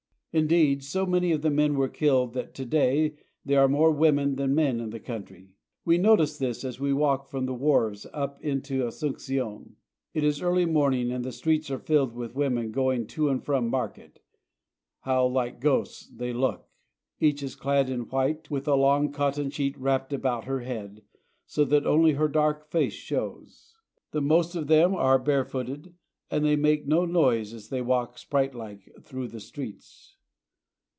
Indeed, so many of the men were killed that to day there are more women than men in the country. We notice this as we walk from the wharves up into Asuncion. It is early morning, and the streets are filled with women going to and from market. How like ghosts they look! Each is clad in white, with a long cotton sheet wrapped about her head, so that only her dark face shows. The most of them are barefooted, and they make no noise as they walk spiritlike through the streets.